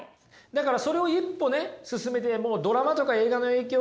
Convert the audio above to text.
だからそれを一歩ね進めてもうドラマとか映画の影響